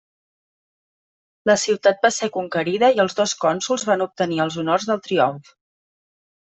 La ciutat va ser conquerida i els dos cònsols van obtenir els honors del triomf.